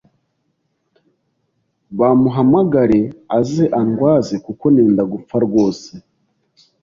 bamuhamagare aze andwaze kuko nendaga gupfa rwose